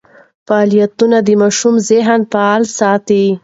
فعالیتونه د ماشوم ذهن فعال ساتي.